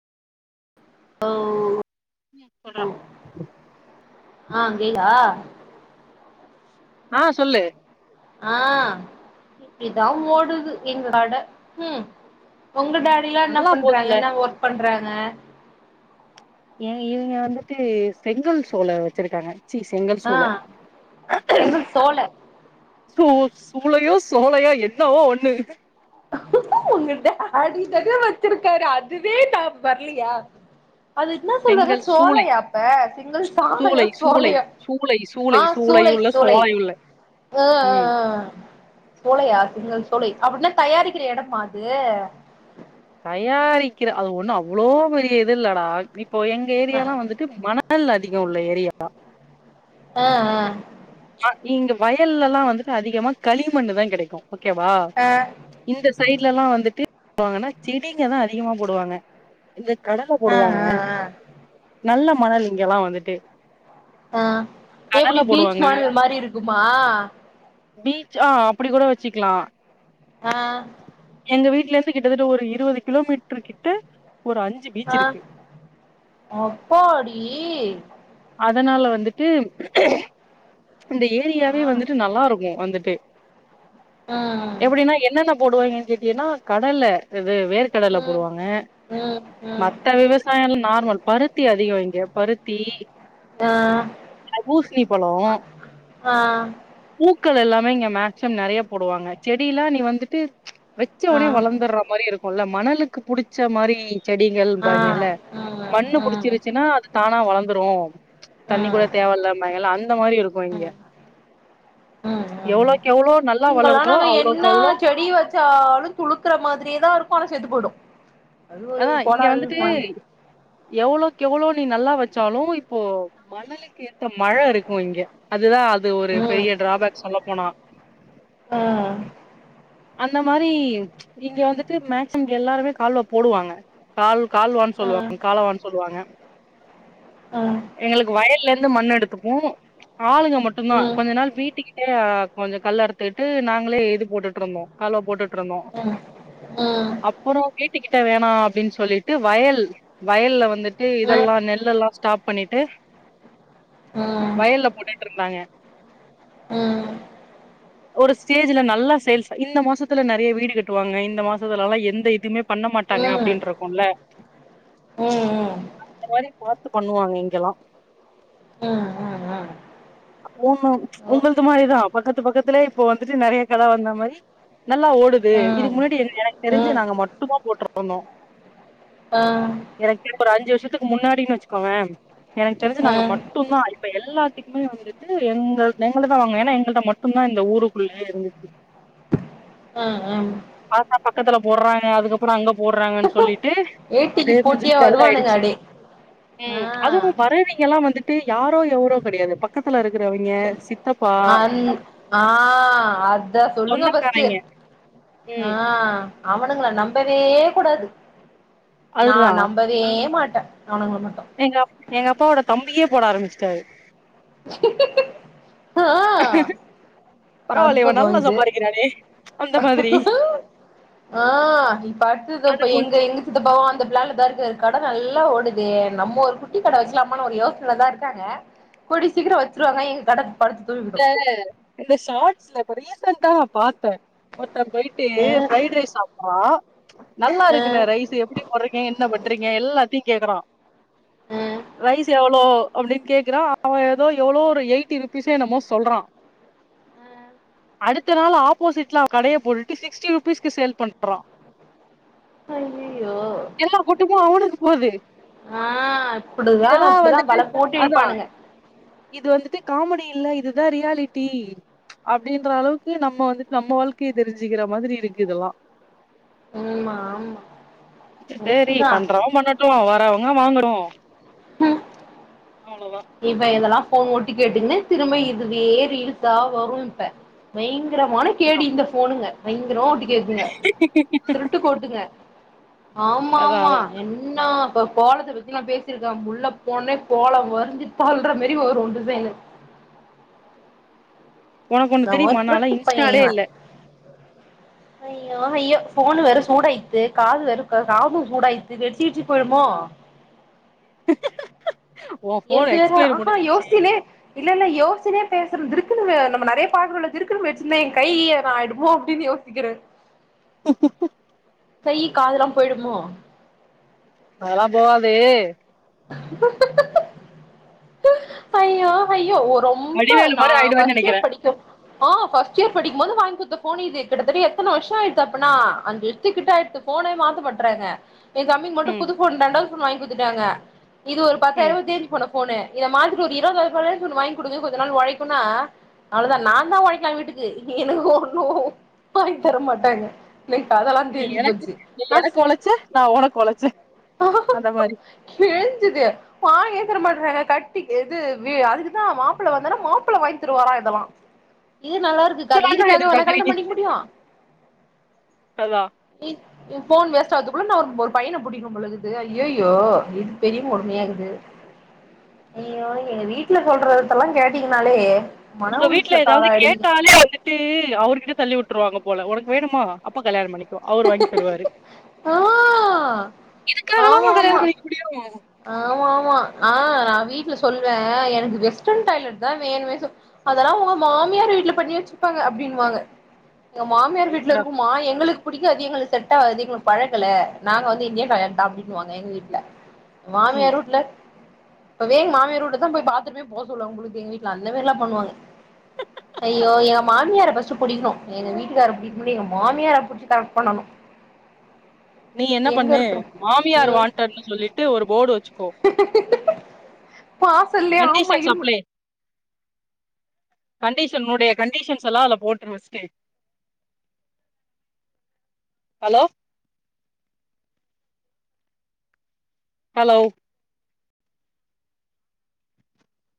hello ம் சொல்றா ஆ அங்கேயா ஆ சொல்லு ஆ இப்பிடிதா ஓடுது எங்க கட ம் உங்க டே டிலா என்ன நல்லா பண்றாங்க போதுல்ல என்ன ஒர்க் பண்றாங்க ஏ இவுங்க வந்துட்டு செங்கல் சோல வெச்சிருக்காங்க ச்சி செங்கல் ஆ சூழ செங்கல் சோழ சூ சூளையோ சோலையோ என்னவோ ஒன்னு உங்க டேடி தான வெச்சிருக்காரு அதுவே தப் வர்லியா அது என்ன சொல்வாங்க செங்கல் சூளை சோலையா அப்ப சிங்கல் சாலையா சூளை சூளை சோலையா சூளை சூளை ஆ சூளை சூளையுள்ள சோலை சோலையுள்ள அ அ ம் அ சோலையா சிங்கல் சோலை அப்டின்னா தயாரிக்கிற எடமா அது தயாரிக்கிற அது ஒன்னு அவ்ளோ பெரிய இது இல்லடா இப்போ எங்க ஆ ஏரியல்லா வந்து ட்டு மணல் அதிகோ உள்ள ஏரியா ஆ ஆ அ இங்க வயல்லல்லா வந்துட்டு அதிகமா களிமண்ணு தா கெடைக்கு ஓகேவா ஆ இந்த சைட்லல்லா வந்துட்டு வாங்கன்னா செடிங்க தா அதிகமா போடுவாங்க இந்த கடல போடுவாங்க ஆ நல்ல மணல் இங்கெல்லா வந்துட்டு ஆஹ் கடல எப்டி பீச் போடுவாங்க மணல் மாரி இருக்குமா பீச் ஆ அப்டி கூட வச்சுக்லா ஆஹ் எங்க வீட்லந்து கிட்டத்தட்ட ஒரு இருவது கிலோமீட்டரு கிட்ட ஒரு அஞ் ஆ அப்பாடி அதனால வந்துட்டு இந்த ஆ ஏரியாவே வந்துட்டு நல்லா இருக்கு வந்துட்டு ம் எப்டின்னா என்னென்ன போடுவாய்ங்கன்னு கேட்டீனா கடல இது வேர்க்கடல போடுவாங்க உம் உ மத்த விவசாயம் எல்லா நார்மல் பருத்தி அதிகோ இங்க பருத்தி ஆஹ் பூசணி பழோ ஆஹ் பூக்கள் எல்லாமே இங்க மேக்சிமம் நெறைய போடுவாங்க செடியெல்லா நீ வந்துட்டு வச்ச ஆ உடனே வளர்ந்துற்ற மாரி இருக்குல்ல மணலுக்கு புடிச்ச மாரி ஆ செடிகள்ம்பாய்ங்கல்ல ம் ம் மண்ணு ம் புடிச்சிருச்சுன்னா அது தானா வளர்ந்துரும் தண்ணி கூட தேவ இல்லம்பாய்ங்கல்லா அந்த மாரி இருக்கு ம் இங்க ம் ம் எவ்ளோக் எவ்ளோ நல்லா வளர்தோ அவ்ளோக் அவ்ளோ சாலு துளுக்கற மாதிரியேதா இருக்கு ஆன செத்து போயிடு அது ஒரு அதா இங்க கோலாறு வந்துட்டு மண்ணு எவ்ளோக்கு எவ்ளோ நீ நல்லா வச்சாலு இப்போ மணலுக்கேத் மழ இருக்கு இங்க அதுதா அது ஒரு ம் பெரிய டிராபேக் சொல்ல போனா ஆஹ் அந்த மாரி இங்க வந்துட்டு மேக்சிமம் எல்லாருமே கால்வா போடுவாங்க கால் கால்வான்னு ம் சொல்லுவாங்க காலவான்னு சொல்லுவாங்க ம் ம் எங்களுக்கு வயல்லந்து மண்ணு எடுத்துப்போ ஆளுங்க மட்டுந்தா ம் கொஞ்ச நாள் வீட்டுக்கிட்டே கொஞ்சோ கல் அருத்துக்கிட்டு நாங்களே இது போட்டுட்டு இருந்தோ கால்வா போட்டுட்டுருந்தோ ம் ஆஹ் அப்புறோ வீட்டு கிட்ட வேணா அப்டின் சொல்லிட்டு வயல் வயல்ல வந்துட்டு இதெல்லா நெல்லல்லா ஸ்டாப் பண்ணிட்டு ம் வயல்ல போட்டுட்டுருந்தாங்க உம் ஒரு ஸ்டேஜ்ல நல்லா சேல்ஸ் இந்த மாசத்துல நெறைய வீடு கட்டுவாங்க இந்த மாசத்துலல்லா எந்த இதுமே பண்ண மாட்டாங்க ம் அப்டின்றக்குல்ல ம் ம் அந்த மாரி பாத்து பண்ணுவாங்க இங்கல்லா ம் ம் ம் உன்னு ஓ உங்கள்து மாரிதா பக்கத்து பக்கத்துலயே இப்போ வந்துட்டு நெறைய கட வந்த மாரி நல்லா ஓடுது இதுக்கு ம் முன்னாடி எங்க எனக்கு தெரிஞ்சு ம் நாங்க மட்டுதா போட்டுட்ருந்தோ ஆஹ் எனக்கு தெரிஞ் ஒரு அஞ்சு வருஷத்துக்கு முன்னாடின்னு வச்சுக்கோவே எனக்கு தெரிஞ்சு ஆ நாங்க மட்டுந்தா இப்ப எல்லாத்துக்குமே வந்துட்டு எங்க எங்கள்ட்ட தா வாங்குவாங்க ஏனா எங்கள்ட்ட மட்டும்தா இந்த ஊருக்குள்ளே இருந்துச்சு ஆஹ் ஹம் பாத்தா பக்கத்துல போற்றாங்க அதுக்கப்புறோ அங்க போற்றாங்கன்னு சொல்லிட்டு ஏட்டிக்கு அப்டியே கொஞ்சம் போட்டியா டல் வருவானுங்க ஆயிடுச்சி அப்டே ஆ ம் அதுவும் வரவீய்ங்கல்லா வந்துட்டு யாரோ எவரோ கெடையாது பக்கத்துல இருக்கிறவய்ங்க சித் அன் ஆஹ் அத்த சொல்லுங்க பஸ்ட்டு சொந்தக்காரைங்க ம் ஆஹ் அவனுங்கள நம்பவே கூடாது நா அதுதா நம்ப வே மாட்ட அவ்னுங்கள மட்டும் எங்க அப் எங்க அப்பாவோட தம்பியே போட ஆரம்பிச்சுட்டாரு ஆ ஹ பரவாயில்லையே இவன் அற்புதோ நல்லா இது சம்பாதிக்கிறானே அந்த மாதிரி ஆ இப்ப அடுத்ததோ அது இப்ப எங்க கொஞ்சோ எங்க சித்தப்பாவு அந்த ப்ளான்ல தா இருக்காரு கட நல்லா ஓடுதே நம்ம ஒரு குட்டி கட வக்கலாமான்னு ஒரு யோசன தா இருக் கூடிய சீக்கிரோ வச்சுருவாங்க எங்க கட படுத்து தூ இந்த ஷாட்ஸ்ல இப்ப ரீசன்டா பாத்தே ஒருத்தே பொயிட்டு அ ப்ரைட் ரைஸ் சாப்ட் வா நல்லா அ இருக்குண்ணே ரைஸு எப்டி போட்றீங்க என்ன பண்றீங்க எல்லாத்தையு கேக்குறா அ ரைஸ் எவ்ளோ அப்டின் கேக்குறா அவன் எதோ எவ்ளோ ஒரு எயிட்டி ருபீஸ் த்து என்னமோ சொல்றான் அடுத்த நாள் ஆப்போசிட்ல அவெ கடைய போட்டுட்டு சிக்ஸ்டி ருபீஸ்கு ஷேல் பண்றா அய்யய்யோ எல்லா கூட்டமு அவனுக்கு போது ஆ இப்புடிதா இதெல்லா அப்டிதா வந்துட்டு வல போட்டு அதா இழுப்பானுங்க இது வந்துட்டு காமெடி இல்ல இதுதா ரியாலிட்டி அப்டின்ற அளவுக்கு நம்ம வந்துட்டு நம்ம வாழ்க்கைய தெரிஞ்சுக்குற மாதிரி இருக்கு இதல்லா ஆமா ஆமா கரெக்ட்டு சேரி தா பண்றவ பண்ணட் ட்டுவா வரவுங்க வாங்கட்டு ம் அவ்ளோதா இப்ப இதெல்லா ஃபோன் போட்டு கேட்டுகுனு திரும்ப இதுவே ரீல்ஸா வரு இப்ப பயங்குறமானு கேடி இந்த ஃபோனுங்க பயங்கரோ ஒட்டு கேக்குங்க திருட்டு கோட்டுங்க அதா ஆமாம்மா அதா என் இன்னா இப்ப கோலத்த பத்தி நா பேசிருக்கே உள்ளப் போனோன்னே கோலம் வருஞ்சிட் சொல்ற மாரி வரு டிசைனு உனக்கு அந்த ஒன்னு மாரி தெரியுமா நால்லா திருட்டு பைய இன்ஸ்டாலே இவ இல்ல ஐயோ ஐயோ ஃபோனு வேற சூடாயிடுத்து காது வேற கா காதும் சூடாயிடுத்து வெடிச்சு கிடிச்சு போயிடுமோ ஹஹா எந்து வேற ஆ ஹா யோச்சுகினே இல்ல இல்ல யோசிச்சினே பேசுறது திடுக்குனு நம்ம நெறையா பாக்கறோல்ல திடுக்குனு வெடிச்சுருந்தா ஏ கையி கீயு எதும் ஆயிடுமோ திடிர்னு யோசிக்கிறே கையி காதெல்லா போய்டுமோ அதல்லா போவாது அய்யோ ஹய்யோ ஒ ரொம் ரொம்ப வடிவேலு நா மாரி ஆயிடுவேன்னு பஸ்ட் நெனைக்கிறே இயர் படிக்கம் ஆ ஃபர்ஸ்ட் இயர் படிக்கும் போது வாங்கி குட்த்த ஃபோன் இது கிட்டத்தட்ட எத்தன வருஷோ ஆயித்து அப்புன்னா அஞ்சு வருஷத்து கிட்ட ஆய்டுத்து ஃபோனே மாத்த மாட்றாங்க ஏ தம்பிக்கு மட்டு ம் புது ஃபோன் ரெண்டாவது ஃபோன் வாங்கி குத்துட்டாங்க இது ஒரு பத்தாயிர ம் ரூபா தேஞ்சு போன ஃபோனு இத மாத்திட்டு ஒரு இருவதாயிர ரூவாலயாச்சு ஒன்னு வாங்கி குடுங்க கொஞ்ச நாள் ஒழைக்குனா அவ்ளோ தா நாந்தா ஒழைக்கலா வீட்டுக்கு எனக்கு ஒன்னும் வாங்கித் தரமாட்டாங்க நீ எனக்கு நீ எனக்கு ஒழச்ச நா உனக் ஒழச்சே அந்த மாரி பேஞ்சிது வாங்கியேத் தர மாட்டறாங்க கட்டி எது வி அதுக்குதா மாப்புள்ள வந்தனா மாப்புள்ள வாங்கி தருவாரா இதல்லா இது நல்லாருக்குக் கத இதலாண்டா இதுக்காகவா நா கல்யாண எதிர்பாக்குறீங்க பண்ணிக்க முடியு அதா நீ ஓ ஃபோன் வேஸ்டாவர்துக்குள்ள நா ஒரு ஒரு பையன புடிக்கனு போலருக்குது ஐயையோ பெரிய கொடுமையா இருக்கு ஐயோ எங்க வீட்ல சொல்றதுதெல்லா கேட்டீங்கன்னாலே உங்க வீட்ல ஏதாவது கேட்டாலே வந்து ட்டு அவருகிட்ட தள்ளி வுட்டுருவாங்க போல ஒனக்கு வேணுமா அப்ப கல்யாண பண்ணிக் ஆ இதுக்காக ஆமா எல்லாமா கல்யாண ஆமா பண்ணிக்க முடியு ஆமா ஆமா ஆ நா வீட்ல சொல்வே எனக்கு வெஸ்டர்ன் டாய்லட் தா வேணு சொ அதெல்லா ஒங்க மாமியார் வீட்ல பண்ணி வெச்சிருப்பாங்க அப்டின்னுவாங்க எங்க மாமியார் வீட்ல ரைட்ரா இருக்கும் மா எங்களுக்கு புடிக்காது எங்களுக்கு செட் ஆகாது எங்களுக் பழகல நாங்க வந்து இந்தியன் டாய்லட் தா அப்டினுவாங்க எங்க வீட்ல ம் மாமியார் ஊட்ல இப்பவே எங்க மாமியார் ஊர்ல தா போய் பாத்ரூமே போ சொல்லுவாங்க போல இருக்கு எங்க வீட்டுல அந்த மாரில்லா பண்ணுவாங்க ஐயோ எங்க மாமியார ஃபஸ்டு புடிக்கணு எங்க வீடுகார புடிக்குனுமோ இல்லயோ எங்க மாமியாரை புடிச்சி கரெக்ட் பண்ணணு [unintelligible] நீ என்ன எங்க பண்ணு இருக்குறோ மாமியார் ம் வான்டட்னு சொல்லிட்டு ஒரு போட்டு வெச்சு கோ வாசல்லயே ஆமா கன்டிஷன்ஸ் இரும்பு அப்ள கண்டிஷன் உன்னுடைய கண்டிஷன்ஸ் எல்லா அல போட்ரு ஃபஸ்டு ஹலோ ஹலோ